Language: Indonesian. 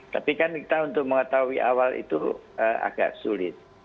tapi kan kita untuk mengetahui awal itu agak sulit